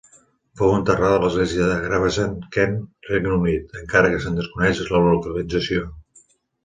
Fou enterrada a l'església de Gravesend, Kent, Regne Unit, encara que se'n desconeix la localització.